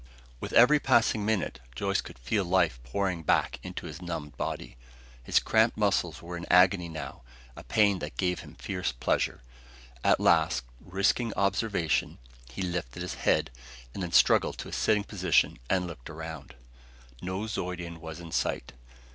With every passing minute Joyce could feel life pouring back into his numbed body. His cramped muscles were in agony now a pain that gave him fierce pleasure. At last, risking observation, he lifted his head and then struggled to a sitting position and looked around. No Zeudian was in sight.